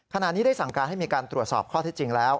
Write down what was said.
ขณะนี้ได้สั่งการให้มีการตรวจสอบข้อที่จริงแล้ว